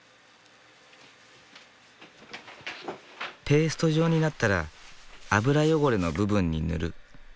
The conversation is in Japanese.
ペースト状になったら油汚れの部分に塗る。